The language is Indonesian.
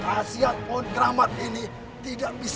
asya pohon keramat ini miss birth